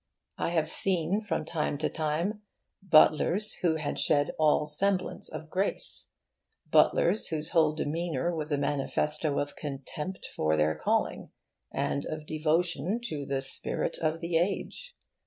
I have seen, from time to time, butlers who had shed all semblance of grace, butlers whose whole demeanour was a manifesto of contempt for their calling and of devotion to the Spirit of the Age.